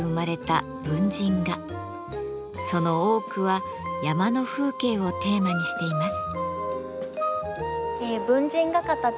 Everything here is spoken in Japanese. その多くは山の風景をテーマにしています。